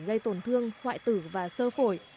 gây tổn thương hoại tử và sơ phổi